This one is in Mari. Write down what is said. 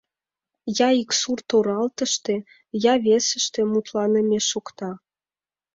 Я ик сурт оралтыште, я весыште мутланыме шокта.